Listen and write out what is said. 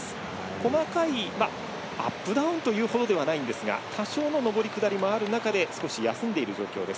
細かいアップダウンというほどではないんですが多少の上り下りもある中で少し休んでいる状況です。